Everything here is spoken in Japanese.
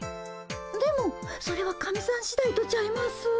でもそれは神さんしだいとちゃいます？